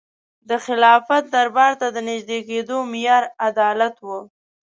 د خلافت دربار ته د نژدې کېدو معیار عدالت و.